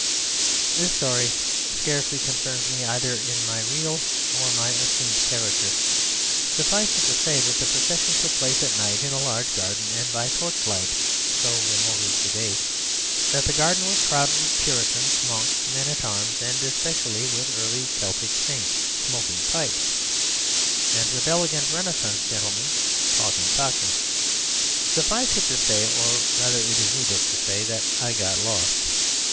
This story scarcely concerns me either in my real or my assumed character. Suffice it to say that the procession took place at night in a large garden and by torchlight (so remote is the date), that the garden was crowded with Puritans, monks, and men at arms, and especially with early Celtic saints smoking pipes, and with elegant Renaissance gentlemen talking Cockney. Suffice it to say, or rather it is needless to say, that I got lost.